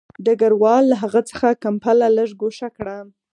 ډګروال له هغه څخه کمپله لږ ګوښه کړه